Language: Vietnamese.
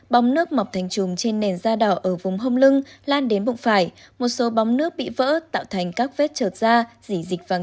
bóng nước mọc thành trùm trên nền da đỏ ở vùng hông lưng lan đến bụng phải